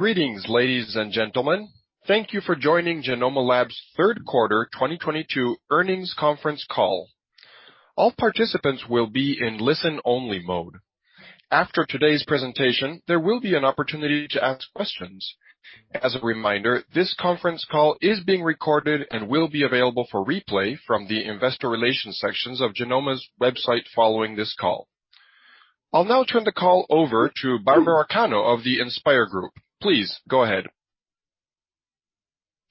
Greetings, ladies and gentlemen. Thank you for joining Genomma Lab's third quarter 2022 earnings conference call. All participants will be in listen-only mode. After today's presentation, there will be an opportunity to ask questions. As a reminder, this conference call is being recorded and will be available for replay from the investor relations sections of Genomma's website following this call. I'll now turn the call over to Barbara Cano of InspIR Group. Please go ahead.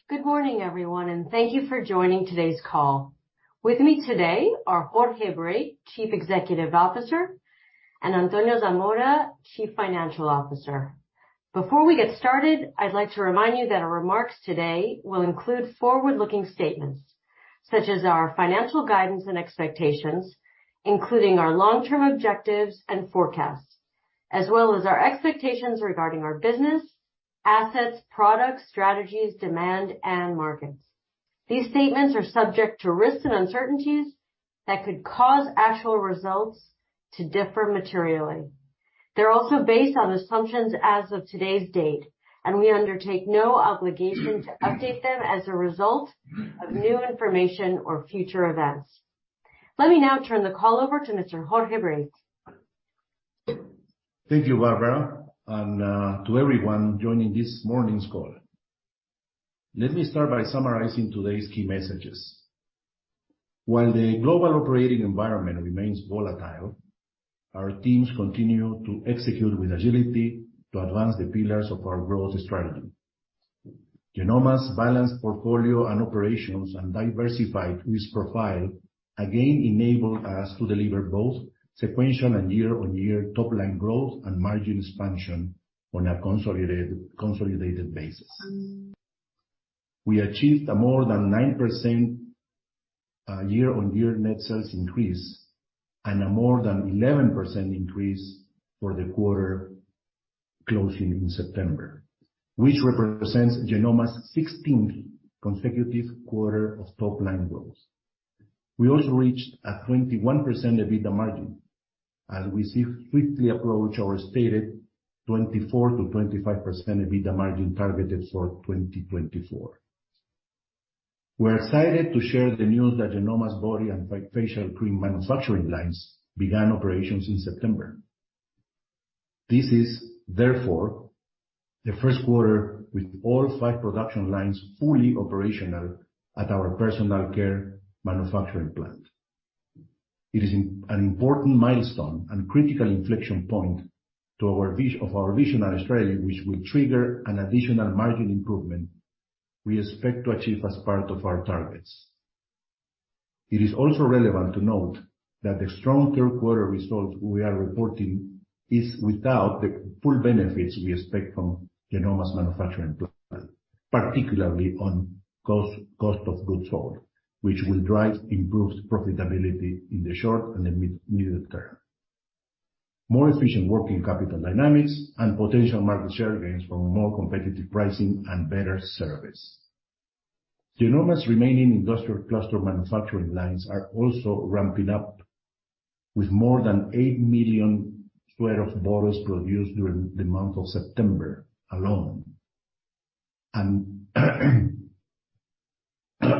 Good morning, everyone, and thank you for joining today's call. With me today are Jorge Brake, Chief Executive Officer, and Antonio Zamora, Chief Financial Officer. Before we get started, I'd like to remind you that our remarks today will include forward-looking statements such as our financial guidance and expectations, including our long-term objectives and forecasts, as well as our expectations regarding our business, assets, products, strategies, demand, and markets. These statements are subject to risks and uncertainties that could cause actual results to differ materially. They're also based on assumptions as of today's date, and we undertake no obligation to update them as a result of new information or future events. Let me now turn the call over to Mr. Jorge Brake. Thank you, Barbara, and to everyone joining this morning's call. Let me start by summarizing today's key messages. While the global operating environment remains volatile, our teams continue to execute with agility to advance the pillars of our growth strategy. Genomma's balanced portfolio and operations and diversified risk profile again enable us to deliver both sequential and year-on-year top-line growth and margin expansion on a consolidated basis. We achieved a more than 9% year-on-year net sales increase and a more than 11% increase for the quarter closing in September, which represents Genomma's 16th consecutive quarter of top-line growth. We also reached a 21% EBITDA margin as we quickly approach our stated 24%-25% EBITDA margin targeted for 2024. We're excited to share the news that Genomma's body and facial cream manufacturing lines began operations in September. This is therefore the first quarter with all five production lines fully operational at our personal care manufacturing plant. It is an important milestone and critical inflection point of our visionary strategy, which will trigger an additional margin improvement we expect to achieve as part of our targets. It is also relevant to note that the strong third quarter results we are reporting is without the full benefits we expect from Genomma's manufacturing plant, particularly on cost of goods sold, which will drive improved profitability in the short and the mid-medium term. More efficient working capital dynamics and potential market share gains from a more competitive pricing and better service. Genomma's remaining industrial cluster manufacturing lines are also ramping up with more than 8 million bottles produced during the month of September alone.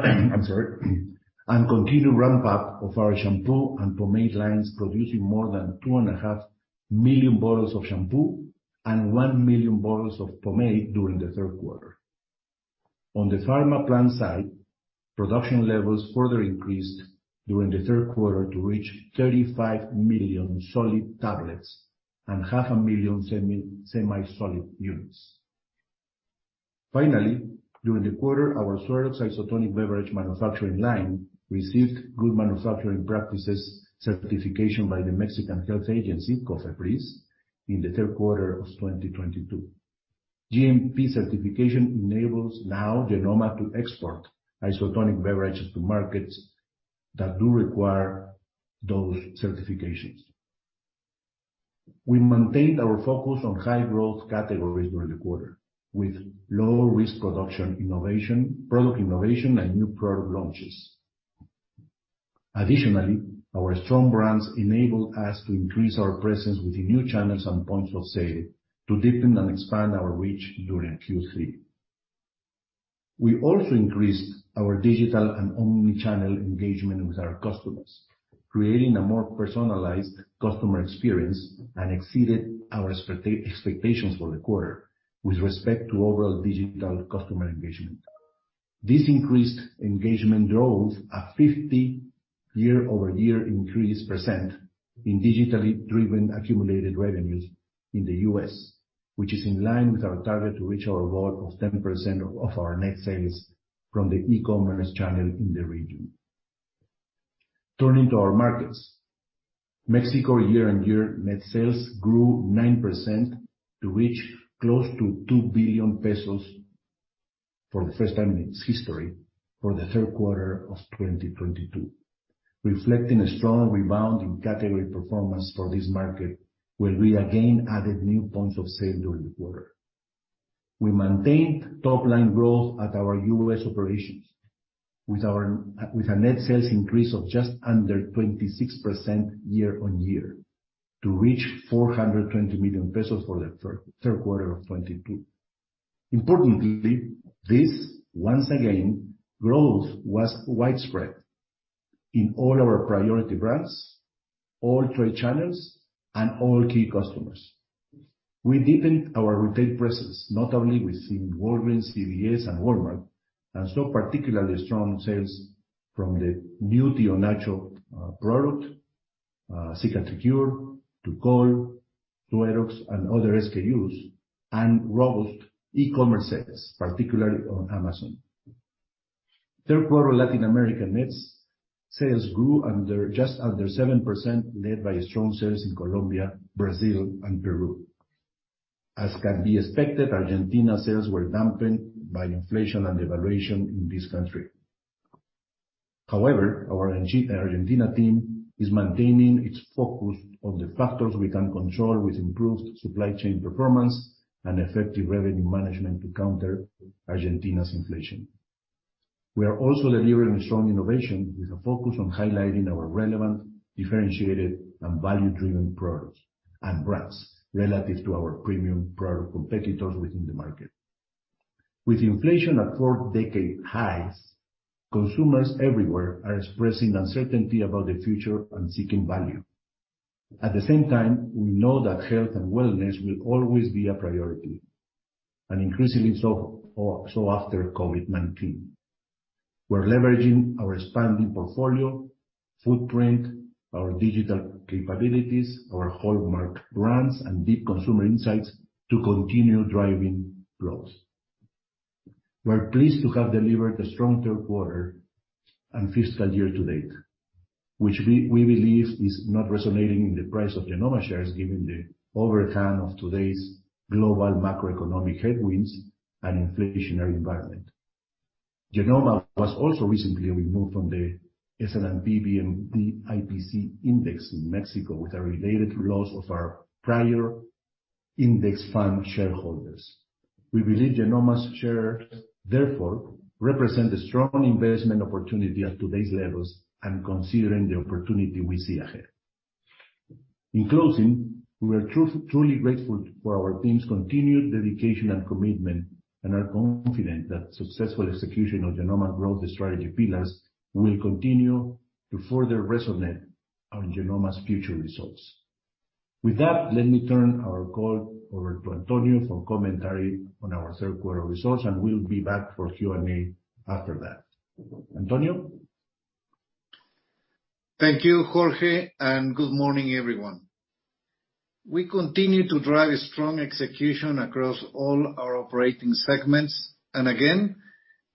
I'm sorry. Continued ramp-up of our shampoo and pomade lines, producing more than 2.5 million bottles of shampoo and 1 million bottles of pomade during the third quarter. On the pharma plant side, production levels further increased during the third quarter to reach 35 million solid tablets and 0.5 million semi-solid units. Finally, during the quarter, our Suerox Isotonic beverage manufacturing line received good manufacturing practices certification by the Mexican Health Agency, COFEPRIS, in the third quarter of 2022. GMP certification enables now Genomma to export isotonic beverages to markets that do require those certifications. We maintained our focus on high growth categories during the quarter, with low risk production innovation, product innovation, and new product launches. Additionally, our strong brands enabled us to increase our presence within new channels and points of sale to deepen and expand our reach during Q3. We also increased our digital and omni-channel engagement with our customers, creating a more personalized customer experience, and exceeded our expectations for the quarter with respect to overall digital customer engagement. This increased engagement drove a 50% year-over-year increase in digitally driven accumulated revenues in the U.S., which is in line with our target to reach our goal of 10% of our net sales from the e-commerce channel in the region. Turning to our markets. Mexico year-on-year net sales grew 9% to reach close to 2 billion pesos for the first time in its history for the third quarter of 2022, reflecting a strong rebound in category performance for this market, where we again added new points of sale during the quarter. We maintained top-line growth at our U.S. operations with a net sales increase of just under 26% year-on-year to reach 420 million pesos for the third quarter of 2022. Importantly, this once again growth was widespread in all our priority brands, all trade channels, and all key customers. We deepened our retail presence, not only with Walgreens, CVS, and Walmart, and saw particularly strong sales from the beauty or natural product Cicatricure, Tukol, Suerox, and other SKUs, and robust e-commerce sales, particularly on Amazon. Third quarter Latin American net sales grew just under 7% led by strong sales in Colombia, Brazil, and Peru. As can be expected, Argentina sales were dampened by inflation and devaluation in this country. However, our Argentina team is maintaining its focus on the factors we can control with improved supply chain performance and effective revenue management to counter Argentina's inflation. We are also delivering strong innovation with a focus on highlighting our relevant, differentiated, and value-driven products and brands relative to our premium product competitors within the market. With inflation at four-decade highs, consumers everywhere are expressing uncertainty about the future and seeking value. At the same time, we know that health and wellness will always be a priority and increasingly so after COVID-19. We're leveraging our expanding portfolio, footprint, our digital capabilities, our hallmark brands, and deep consumer insights to continue driving growth. We're pleased to have delivered a strong third quarter and fiscal year to date, which we believe is not resonating in the price of Genomma shares given the overtone of today's global macroeconomic headwinds and inflationary environment. Genomma was also recently removed from the S&P/BMV IPC index in Mexico with a related loss of our prior index fund shareholders. We believe Genomma's shares therefore represent a strong investment opportunity at today's levels and considering the opportunity we see ahead. In closing, we are truly grateful for our team's continued dedication and commitment, and are confident that successful execution of Genomma growth strategy pillars will continue to further resonate on Genomma's future results. With that, let me turn our call over to Antonio for commentary on our third quarter results, and we'll be back for Q&A after that. Antonio? Thank you, Jorge, and good morning, everyone. We continue to drive strong execution across all our operating segments, and again,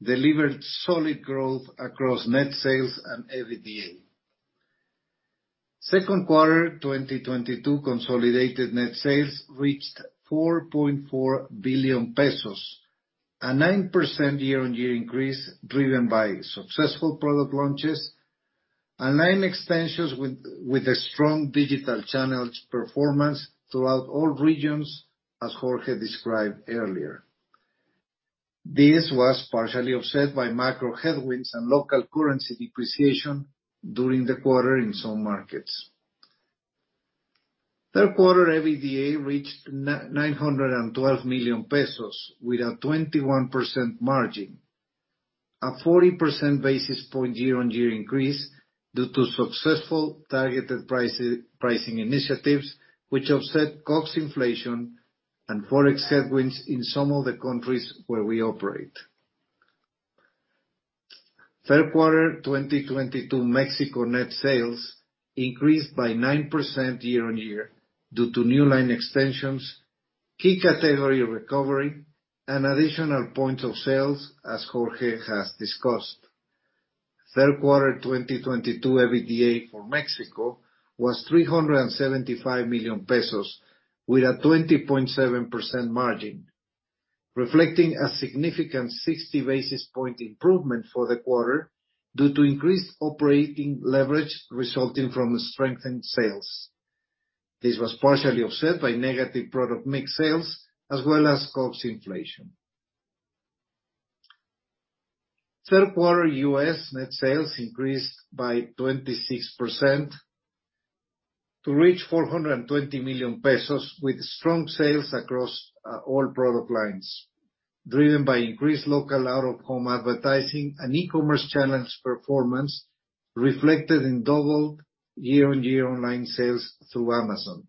delivered solid growth across net sales and EBITDA. Second quarter 2022 consolidated net sales reached 4.4 billion pesos, a 9% year-on-year increase driven by successful product launches and line extensions with a strong digital channels performance throughout all regions, as Jorge described earlier. This was partially offset by macro headwinds and local currency depreciation during the quarter in some markets. Second quarter EBITDA reached 912 million pesos with a 21% margin, a 400 basis points year-on-year increase due to successful targeted pricing initiatives which offset COGS inflation and Forex headwinds in some of the countries where we operate. Third quarter 2022 Mexico net sales increased by 9% year-on-year due to new line extensions, key category recovery, and additional points of sale, as Jorge has discussed. Third quarter 2022 EBITDA for Mexico was 375 million pesos with a 20.7% margin, reflecting a significant 60 basis point improvement for the quarter due to increased operating leverage resulting from strengthened sales. This was partially offset by negative product mix sales as well as COGS inflation. Third quarter U.S. net sales increased by 26% to reach MXN 420 million with strong sales across all product lines, driven by increased local out-of-home advertising and e-commerce channels performance reflected in doubled year-on-year online sales through Amazon.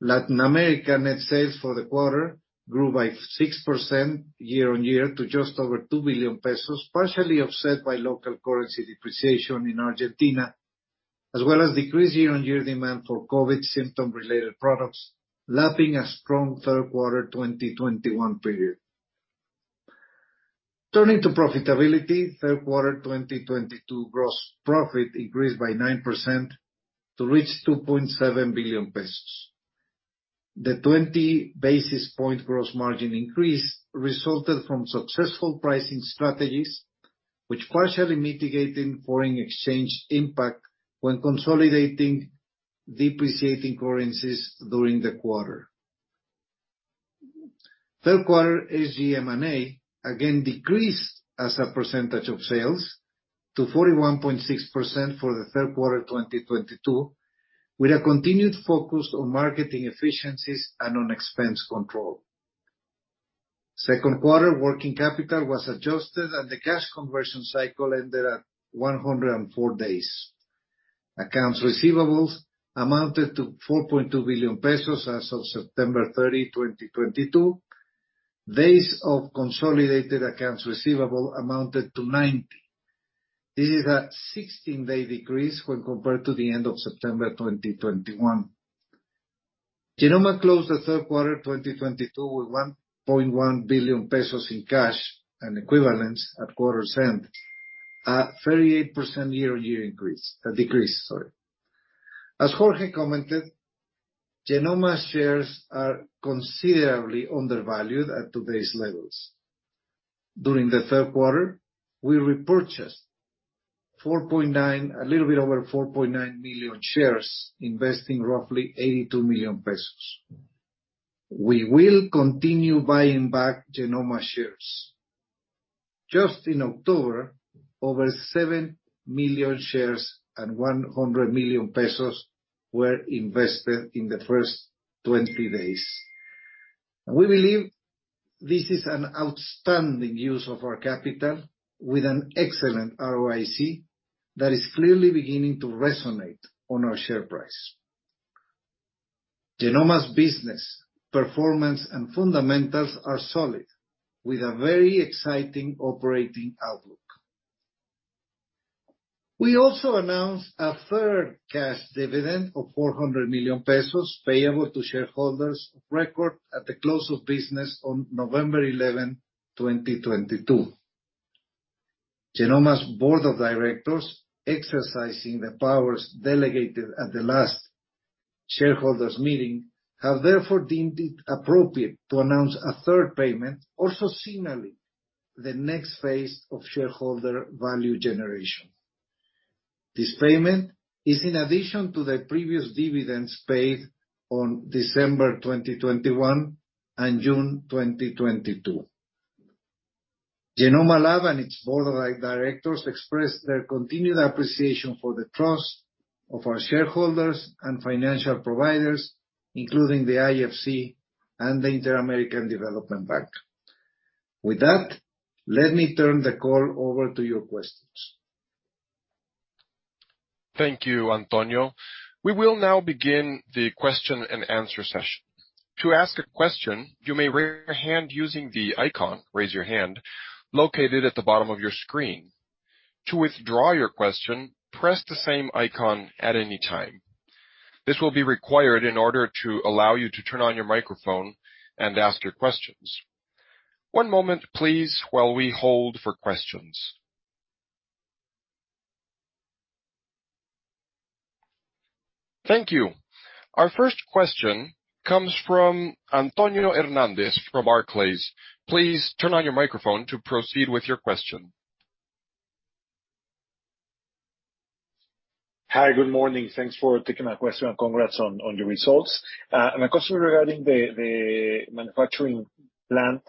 Latin America net sales for the quarter grew by 6% year-on-year to just over 2 billion pesos, partially offset by local currency depreciation in Argentina, as well as decreased year-on-year demand for COVID symptom-related products, lapping a strong third quarter 2021 period. Turning to profitability, third quarter 2022 gross profit increased by 9% to reach 2.7 billion pesos. The 20 basis points gross margin increase resulted from successful pricing strategies which partially mitigated foreign exchange impact when consolidating depreciating currencies during the quarter. Third quarter SG&A again decreased as a percentage of sales to 41.6% for the third quarter 2022, with a continued focus on marketing efficiencies and on expense control. Second quarter working capital was adjusted, and the cash conversion cycle ended at 104 days. Accounts receivable amounted to 4.2 billion pesos as of September 30, 2022. Days of consolidated accounts receivable amounted to 90. This is a 16-day decrease when compared to the end of September 2021. Genomma closed the third quarter 2022 with 1.1 billion pesos in cash and equivalents at quarter-end, a 38% year-on-year increase. A decrease, sorry. As Jorge commented, Genomma shares are considerably undervalued at today's levels. During the third quarter, we repurchased a little bit over 4.9 million shares, investing roughly 82 million pesos. We will continue buying back Genomma shares. Just in October, over 7 million shares and 100 million pesos were invested in the first 20 days. We believe this is an outstanding use of our capital with an excellent ROIC that is clearly beginning to resonate on our share price. Genomma's business performance and fundamentals are solid, with a very exciting operating outlook. We also announced a third cash dividend of 400 million pesos payable to shareholders of record at the close of business on November 11, 2022. Genomma's board of directors, exercising the powers delegated at the last shareholders meeting, have therefore deemed it appropriate to announce a third payment, also similarly the next phase of shareholder value generation. This payment is in addition to the previous dividends paid on December 2021 and June 2022. Genomma Lab and its board of directors express their continued appreciation for the trust of our shareholders and financial providers, including the IFC and the Inter-American Development Bank. With that, let me turn the call over to your questions. Thank you, Antonio. We will now begin the question-and-answer session. To ask a question, you may raise your hand using the icon, Raise Your Hand, located at the bottom of your screen. To withdraw your question, press the same icon at any time. This will be required in order to allow you to turn on your microphone and ask your questions. One moment, please, while we hold for questions. Thank you. Our first question comes from Antonio Hernandez from Barclays. Please turn on your microphone to proceed with your question. Hi. Good morning. Thanks for taking my question, and congrats on your results. My question regarding the manufacturing plant,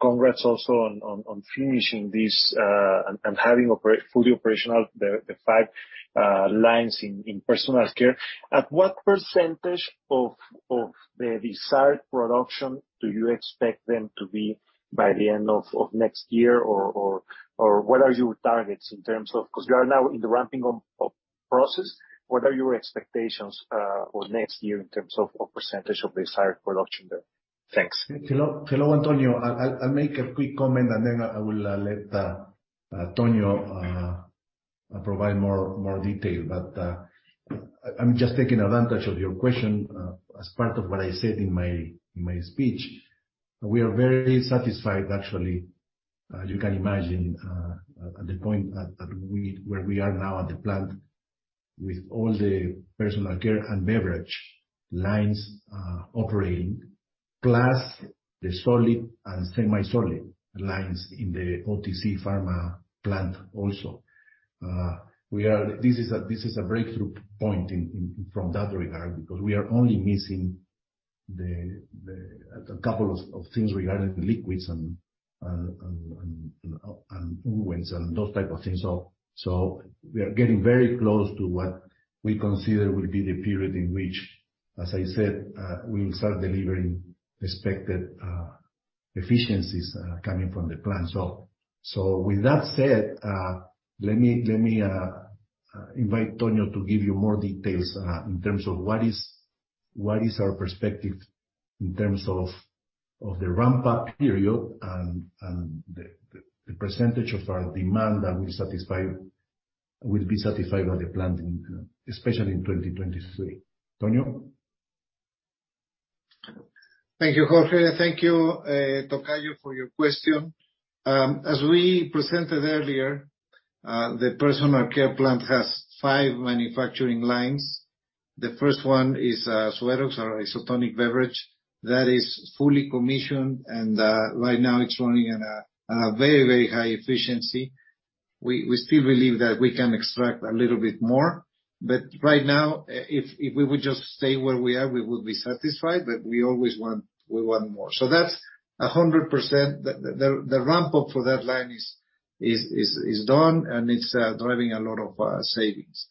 congrats also on finishing this, and having fully operational the five lines in personal care. At what percentage of the desired production do you expect them to be by the end of next year or what are your targets in terms of 'cause we are now in the ramping up of process. What are your expectations for next year in terms of percentage of the desired production there? Thanks. Hello, Antonio. I'll make a quick comment, and then I will let Tonio provide more detail. I'm just taking advantage of your question, as part of what I said in my speech. We are very satisfied actually, as you can imagine, at the point where we are now at the plant with all the personal care and beverage lines operating, plus the solid and semi-solid lines in the OTC pharma plant also. This is a breakthrough point in that regard because we are only missing a couple of things regarding liquids and ointments and those type of things. We are getting very close to what we consider will be the period in which, as I said, we will start delivering expected efficiencies coming from the plant. With that said, let me invite Tonio to give you more details in terms of what is our perspective in terms of the ramp-up period and the percentage of our demand that we satisfy, will be satisfied by the plant in, especially in 2023. Tonio? Thank you, Jorge. Thank you, Tocayo, for your question. As we presented earlier, the personal care plant has five manufacturing lines. The first one is Suerox or isotonic beverage. That is fully commissioned, and right now it's running at a very high efficiency. We still believe that we can extract a little bit more, but right now, if we would just stay where we are, we will be satisfied, but we always want more. That's 100%. The ramp up for that line is done, and it's driving a lot of savings.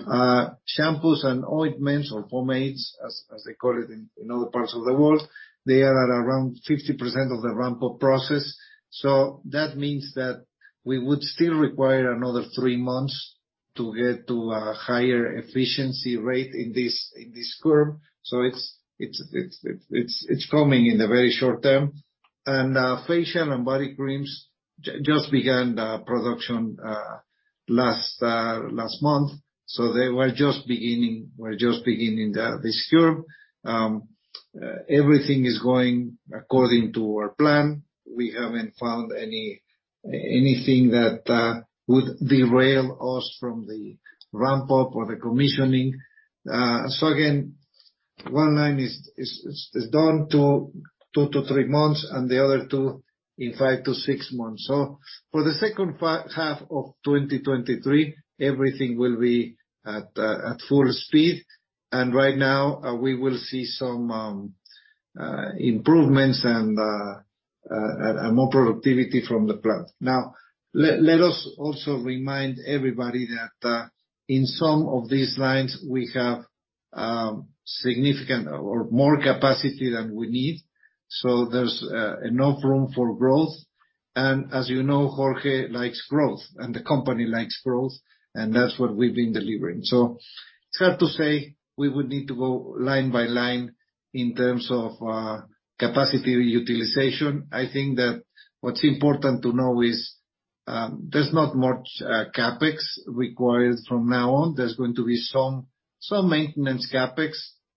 Shampoos and ointments or pomades, as they call it in other parts of the world, they are at around 50% of the ramp-up process. That means that we would still require another three months to get to a higher efficiency rate in this curve. It's coming in the very short term. Facial and body creams just began production last month, so they were just beginning this curve. Everything is going according to our plan. We haven't found anything that would derail us from the ramp up or the commissioning. Again, one line is done. two to three months, and the other two in five to six months. For the second half of 2023, everything will be at full speed. Right now, we will see some improvements and more productivity from the plant. Now, let us also remind everybody that in some of these lines, we have significantly more capacity than we need, so there's enough room for growth. As you know, Jorge likes growth, and the company likes growth, and that's what we've been delivering. It's hard to say we would need to go line by line in terms of capacity utilization. I think that what's important to know is there's not much CapEx required from now on. There's going to be some maintenance CapEx,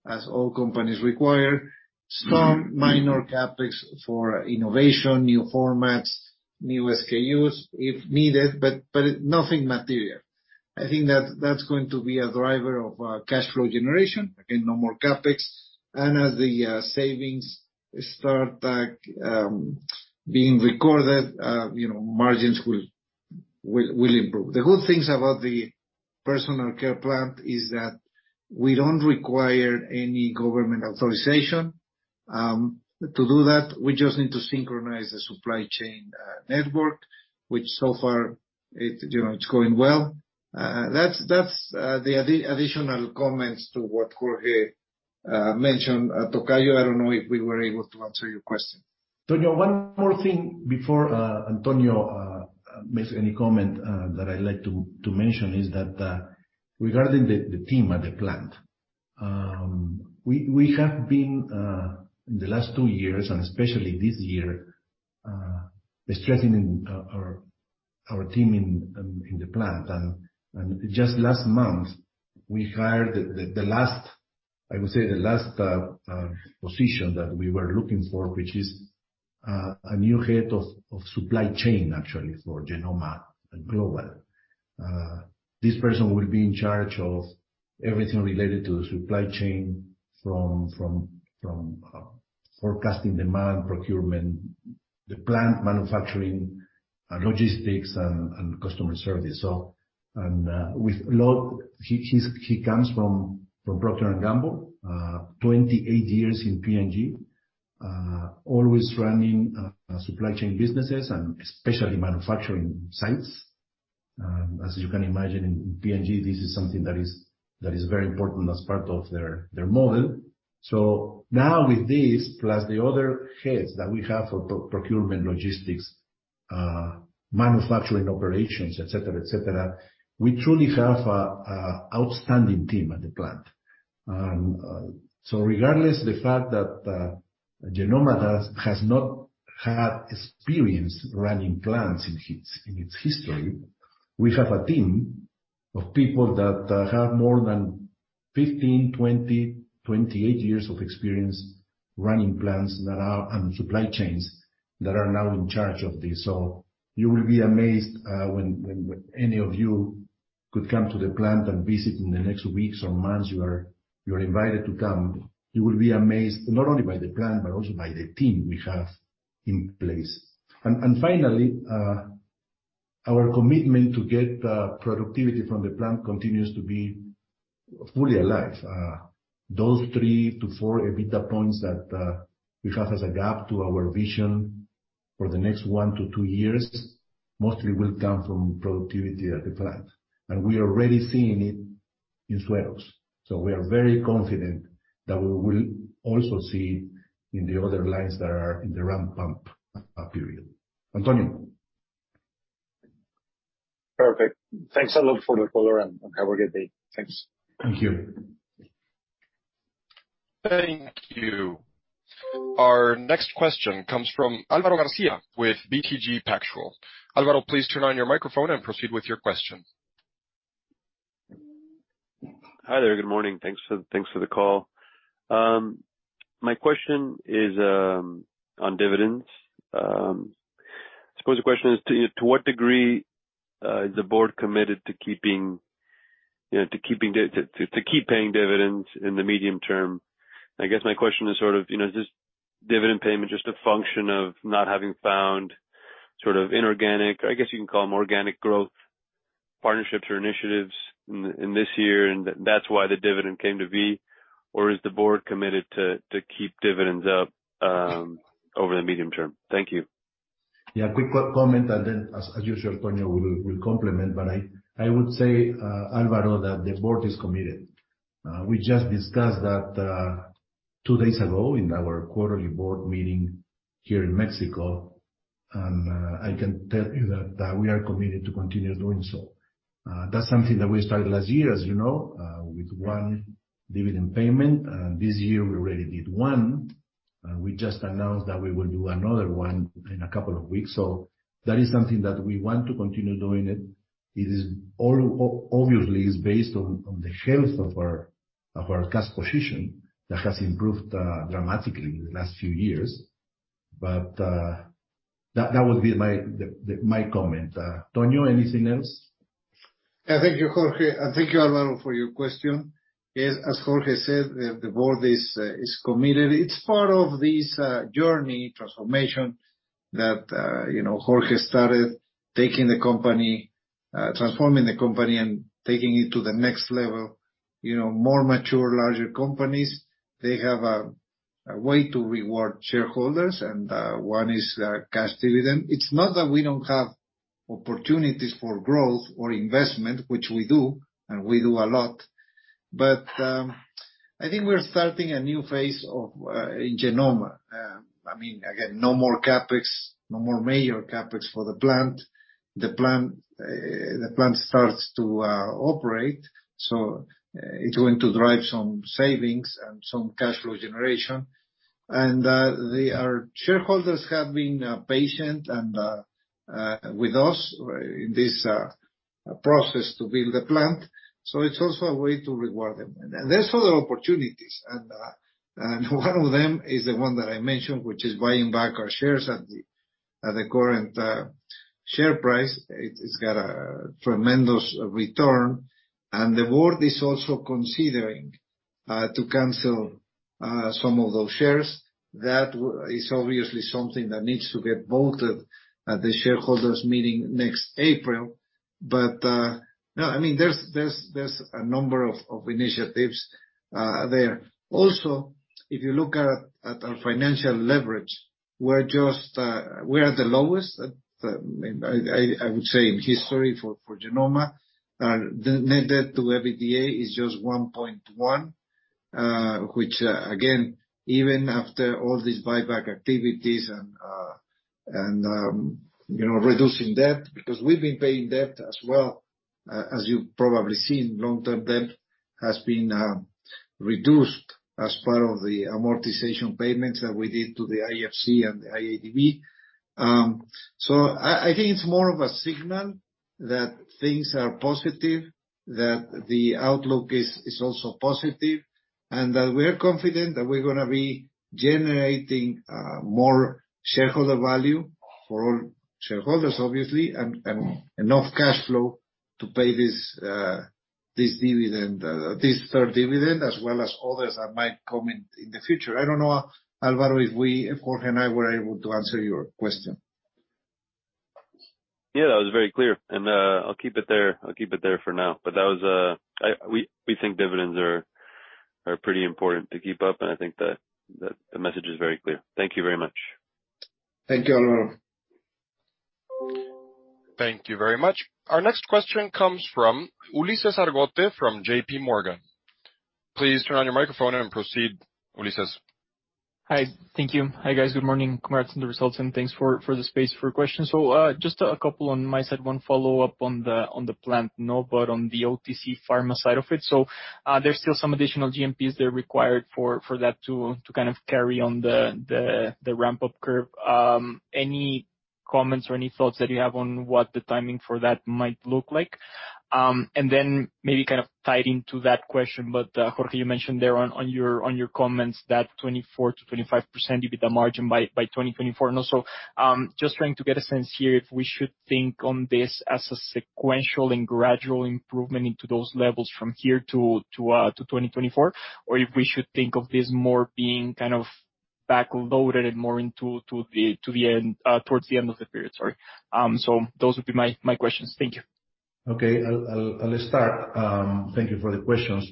as all companies require. Some minor CapEx for innovation, new formats, new SKUs if needed, but nothing material. I think that that's going to be a driver of cash flow generation. Again, no more CapEx. As the savings start being recorded, you know, margins will improve. The good things about the personal care plant is that we don't require any government authorization to do that. We just need to synchronize the supply chain network, which so far it's going well. That's the additional comments to what Jorge mentioned. Tocayo, I don't know if we were able to answer your question. Antonio, one more thing before Antonio makes any comment that I'd like to mention is that regarding the team at the plant. We have been in the last two years, and especially this year, strengthening our team in the plant. Just last month, we hired the last, I would say, position that we were looking for, which is a new head of supply chain, actually, for Genomma global. This person will be in charge of everything related to the supply chain from forecasting demand, procurement, the plant manufacturing, logistics and customer service. He comes from Procter & Gamble. 28 years in P&G. Always running supply chain businesses and especially manufacturing sites. As you can imagine, in P&G, this is something that is very important as part of their model. Now with this, plus the other heads that we have for procurement, logistics, manufacturing operations, et cetera, we truly have a outstanding team at the plant. Regardless the fact that Genomma has not had experience running plants in its history, we have a team of people that have more than 15, 20, 28 years of experience running plants and supply chains that are now in charge of this. You will be amazed when any of you could come to the plant and visit in the next weeks or months. You're invited to come. You will be amazed not only by the plant, but also by the team we have in place. Finally, our commitment to get productivity from the plant continues to be fully alive. Those three to four EBITDA points that we have as a gap to our vision for the next one to two years mostly will come from productivity at the plant. We are already seeing it in Suerox. We are very confident that we will also see in the other lines that are in the ramp-up period. Antonio. Perfect. Thanks a lot for the call, and have a good day. Thanks. Thank you. Thank you. Our next question comes from Alvaro Garcia with BTG Pactual. Alvaro, please turn on your microphone and proceed with your question. Hi there. Good morning. Thanks for the call. My question is on dividends. I suppose the question is to what degree is the board committed to keeping dividends. You know, to keep paying dividends in the medium term. I guess my question is sort of, you know, is this dividend payment just a function of not having found sort of inorganic, I guess you can call them organic growth partnerships or initiatives in this year, and that's why the dividend came to be? Or is the board committed to keep dividends up over the medium term? Thank you. Yeah. Quick comment, and then as usual, Tonio will complement. I would say, Álvaro, that the board is committed. We just discussed that two days ago in our quarterly board meeting here in Mexico, and I can tell you that we are committed to continue doing so. That's something that we started last year, as you know, with one dividend payment. This year we already did one, and we just announced that we will do another one in a couple of weeks. That is something that we want to continue doing. It is all obviously based on the health of our cash position that has improved dramatically in the last few years. That would be my comment. Tonio, anything else? Yeah. Thank you, Jorge. Thank you Alvaro for your question. Yes, as Jorge said, the board is committed. It's part of this journey transformation that you know, Jorge started taking the company, transforming the company and taking it to the next level. You know, more mature, larger companies, they have a way to reward shareholders. One is cash dividend. It's not that we don't have opportunities for growth or investment, which we do, and we do a lot, but I think we're starting a new phase in Genomma. I mean, again, no more CapEx, no more major CapEx for the plant. The plant starts to operate, so it's going to drive some savings and some cash flow generation. Our shareholders have been patient and with us in this process to build the plant, so it's also a way to reward them. There's other opportunities. One of them is the one that I mentioned, which is buying back our shares at the current share price. It's got a tremendous return. The board is also considering to cancel some of those shares. That is obviously something that needs to get voted at the shareholders meeting next April. No, I mean, there's a number of initiatives there. Also, if you look at our financial leverage, we are just the lowest, I would say, in history for Genomma. The net debt to EBITDA is just 1.1, which, again, even after all these buyback activities and you know, reducing debt, because we've been paying debt as well. As you've probably seen, long-term debt has been reduced as part of the amortization payments that we did to the IFC and the IADB. I think it's more of a signal that things are positive, that the outlook is also positive, and that we're confident that we're gonna be generating more shareholder value for all shareholders, obviously, and enough cash flow to pay this dividend, this third dividend, as well as others that might come in the future. I don't know, Álvaro, if Jorge and I were able to answer your question. Yeah, that was very clear. I'll keep it there for now. We think dividends are pretty important to keep up, and I think the message is very clear. Thank you very much. Thank you, Alvaro. Thank you very much. Our next question comes from Ulises Argote from JPMorgan. Please turn on your microphone and proceed, Ulises. Hi. Thank you. Hi, guys. Good morning. Congrats on the results and thanks for the space for questions. Just a couple on my side. One follow-up on the new build on the OTC pharma side of it. There's still some additional GMPs that are required for that to kind of carry on the ramp-up curve. Then maybe kind of tied into that question, but Jorge, you mentioned there on your comments that 24%-25% EBITDA margin by 2024. Also, just trying to get a sense here if we should think on this as a sequential and gradual improvement into those levels from here to 2024, or if we should think of this more being kind of back-loaded and more into the end towards the end of the period, sorry. Those would be my questions. Thank you. Okay. I'll start. Thank you for the questions.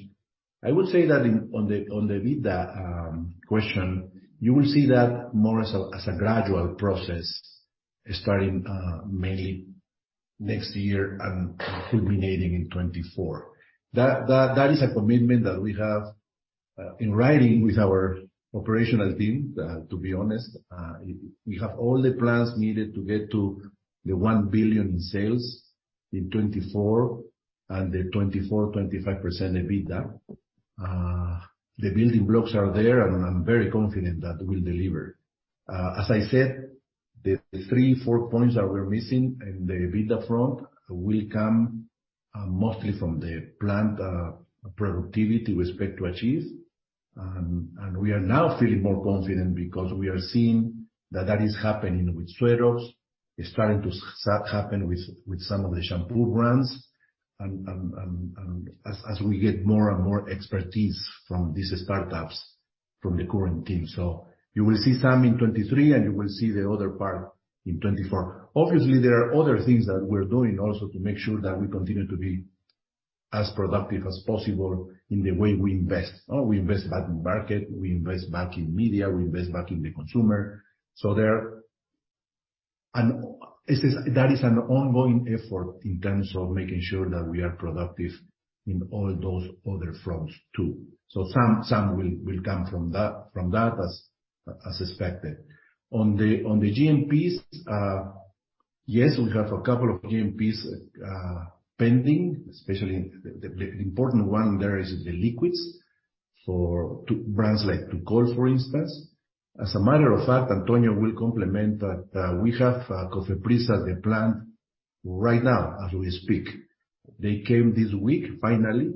I would say that on the EBITDA question, you will see that more as a gradual process starting maybe next year and culminating in 2024. That is a commitment that we have in writing with our operational team, to be honest. We have all the plans needed to get to 1 billion in sales in 2024 and the 24%-25% EBITDA. The building blocks are there, and I'm very confident that we'll deliver. As I said, the three, four points that we're missing in the EBITDA front will come mostly from the plant productivity we expect to achieve. We are now feeling more confident because we are seeing that is happening with Suerox. It's starting to happen with some of the shampoo brands as we get more and more expertise from these startups from the current team. You will see some in 2023, and you will see the other part in 2024. Obviously, there are other things that we're doing also to make sure that we continue to be as productive as possible in the way we invest. We invest back in market, we invest back in media, we invest back in the consumer. There is an ongoing effort in terms of making sure that we are productive in all those other fronts too. Some will come from that, as expected. On the GMPs, yes, we have a couple of GMPs pending, especially the important one there is the liquids for brands like Tukol, for instance. As a matter of fact, Antonio will complement that, we have COFEPRIS at the plant right now as we speak. They came this week finally.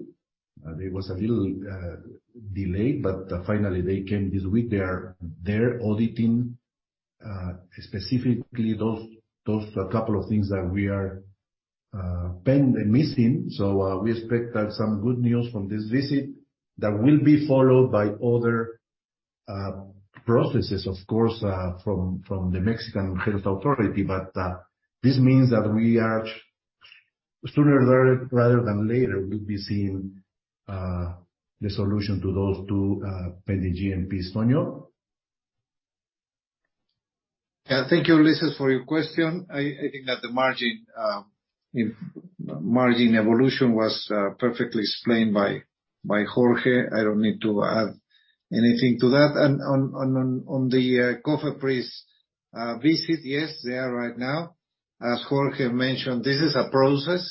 There was a little delay, but finally they came this week. They are there auditing specifically those couple of things that we are missing. We expect some good news from this visit that will be followed by other processes, of course, from the Mexican health authority. This means that we are sooner rather than later, we'll be seeing the solution to those two pending GMPs. Antonio? Yeah. Thank you, Ulises, for your question. I think that the margin evolution was perfectly explained by Jorge. I don't need to add anything to that. On the COFERIS visit, yes, they are right now. As Jorge mentioned, this is a process.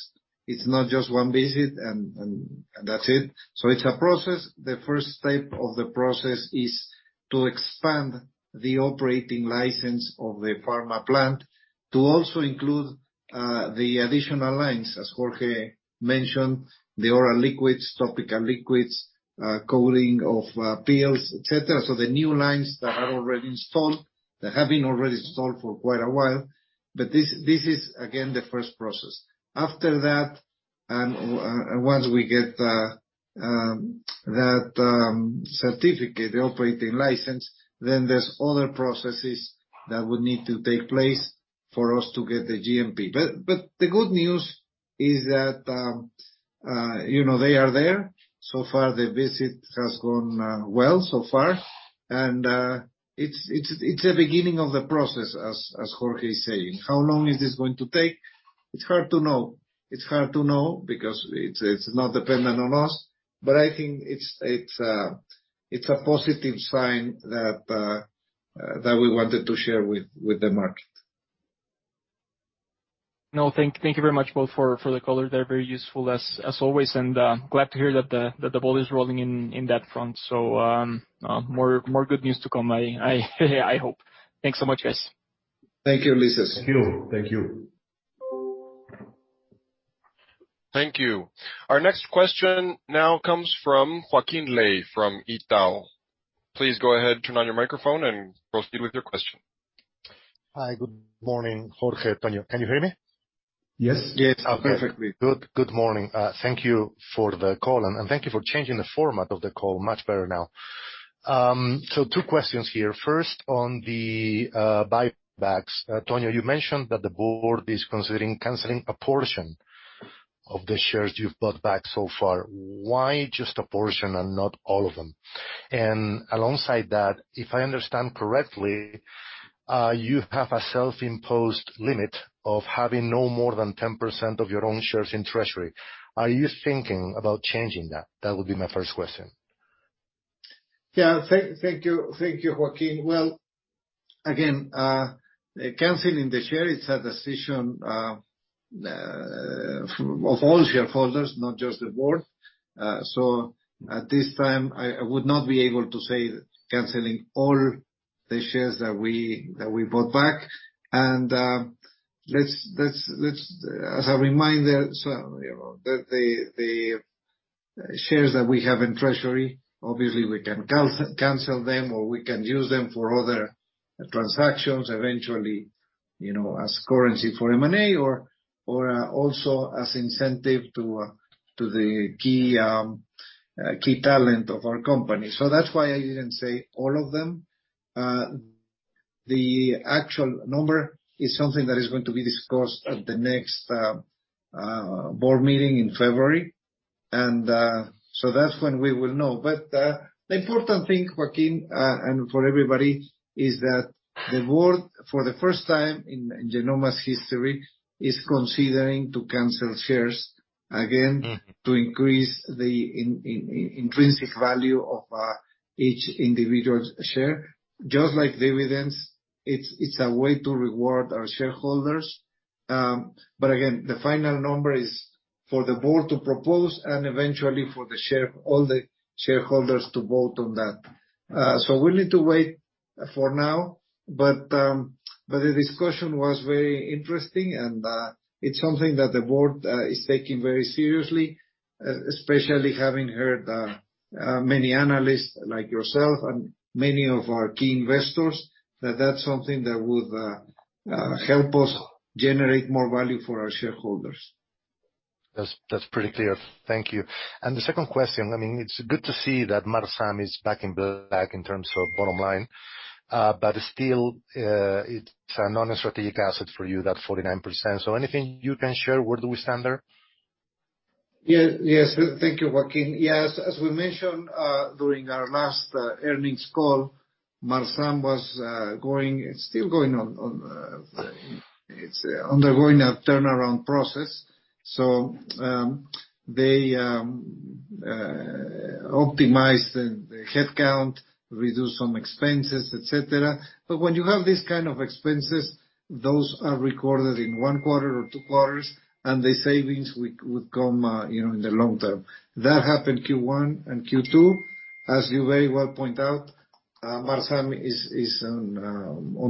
It's not just one visit and that's it. It's a process. The first step of the process is to expand the operating license of the pharma plant to also include the additional lines, as Jorge mentioned, the oral liquids, topical liquids, coating of pills, et cetera. The new lines that are already installed, that have been already installed for quite a while. This is again the first process. After that, once we get that certificate, the operating license, then there's other processes that would need to take place for us to get the GMP. The good news is that, you know, they are there. So far, the visit has gone well so far. It's the beginning of the process as Jorge is saying. How long is this going to take? It's hard to know. It's hard to know because it's not dependent on us. I think it's a positive sign that we wanted to share with the market. No, thank you very much both for the color. They're very useful as always. Glad to hear that the ball is rolling in that front. More good news to come, I hope. Thanks so much, guys. Thank you, Ulises. Thank you. Thank you. Thank you. Our next question now comes from Joaquín Ley from Itaú. Please go ahead, turn on your microphone and proceed with your question. Hi. Good morning, Jorge, Antonio. Can you hear me? Yes. Yes. Perfectly. Good morning. Thank you for the call and thank you for changing the format of the call. Much better now. So two questions here. First, on the buybacks. Antonio, you mentioned that the board is considering canceling a portion of the shares you've bought back so far. Why just a portion and not all of them? And alongside that, if I understand correctly, you have a self-imposed limit of having no more than 10% of your own shares in treasury. Are you thinking about changing that? That would be my first question. Yeah. Thank you, Joaquín. Well, again, canceling the shares, it's a decision of all shareholders, not just the board. So at this time I would not be able to say canceling all the shares that we bought back. As a reminder, so, you know, the shares that we have in treasury, obviously we can cancel them or we can use them for other transactions eventually, you know, as currency for M&A or also as incentive to the key talent of our company. So that's why I didn't say all of them. The actual number is something that is going to be discussed at the next board meeting in February. That's when we will know. The important thing, Joaquín, and for everybody, is that the board, for the first time in Genomma's history, is considering to cancel shares again. Mm-hmm. To increase the intrinsic value of each individual share. Just like dividends, it's a way to reward our shareholders. Again, the final number is for the board to propose and eventually for the shareholders to vote on that. We'll need to wait for now. The discussion was very interesting, and it's something that the board is taking very seriously, especially having heard many analysts like yourself and many of our key investors, that that's something that would help us generate more value for our shareholders. That's pretty clear. Thank you. The second question, I mean, it's good to see that Marzam is back in black in terms of bottom line. Still, it's a non-strategic asset for you, that 49%. Anything you can share, where do we stand there? Yes. Thank you, Joaquín. Yes, as we mentioned during our last earnings call, Marzam was going. It's still going on, it's undergoing a turnaround process. They optimize the headcount, reduce some expenses, et cetera. When you have these kind of expenses, those are recorded in one quarter or two quarters, and the savings would come in the long term. That happened Q1 and Q2. As you very well point out, Marzam is in